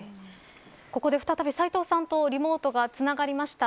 ここで再び斎藤さんとリモートがつながりました。